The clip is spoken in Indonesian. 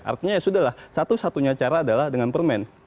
artinya ya sudah lah satu satunya cara adalah dengan permen